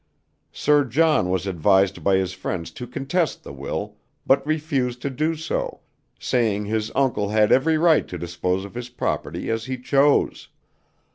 Sir John was advised by his friends to contest the will, but refused to do so, saying his uncle had every right to dispose of his property as he chose.